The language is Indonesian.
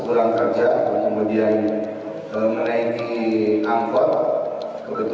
kebetulan di dalam angkot tersebut hanya sendirian antara korban dan pelaku